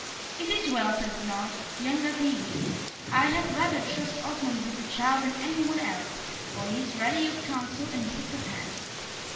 "It is well," said Bernard: "young as he is, I had rather trust Osmond with the child than any one else, for he is ready of counsel, and quick of hand."